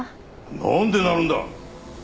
なんでなるんだ！